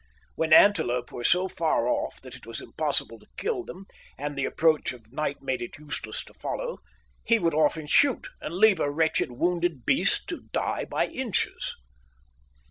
When antelope were so far off that it was impossible to kill them, and the approach of night made it useless to follow, he would often shoot, and leave a wretched wounded beast to die by inches.